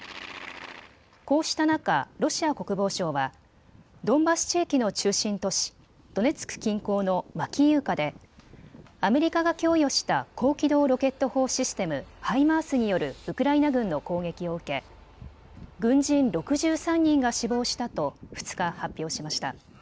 こうした中、ロシア国防省はドンバス地域の中心都市ドネツク近郊のマキイウカでアメリカが供与した高機動ロケット砲システム・ハイマースによるウクライナ軍の攻撃を受け、軍人６３人が死亡したと２日、発表しました。